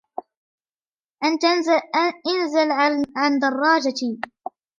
أنتَ، انزل عن درّاجتي.